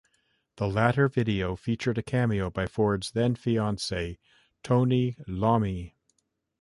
The latter video featured a cameo by Ford's then fiancee, Tony Iommi.